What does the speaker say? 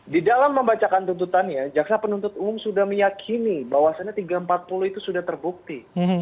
di dalam membacakan tuntutannya jaksa penuntut umum sudah meyakini bahwasannya tiga ratus empat puluh itu sudah terbukti